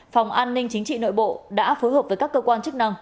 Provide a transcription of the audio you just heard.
phòng an ninh chính trị nội bộ đã phối hợp với các cơ quan chức năng